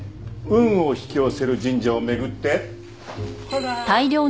運を引き寄せる神社を巡ってほら！